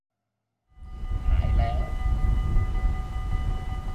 หายแล้ว